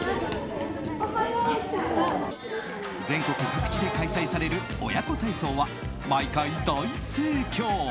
全国各地で開催される親子体操は毎回大盛況。